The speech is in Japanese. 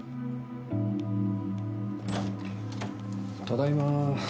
ただいま。